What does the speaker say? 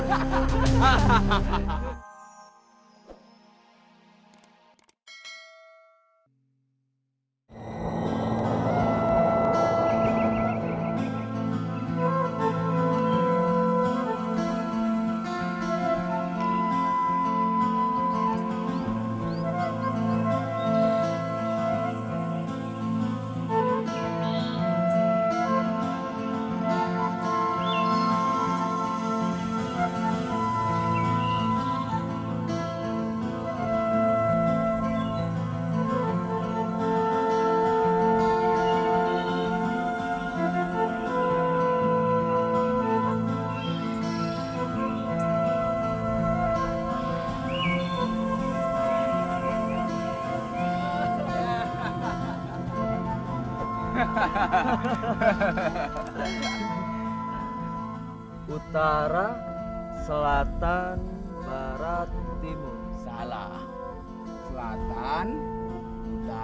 sampai jumpa di video selanjutnya